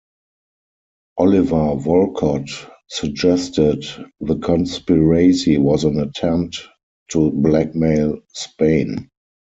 Oliver Wolcott suggested the conspiracy was an attempt to blackmail Spain.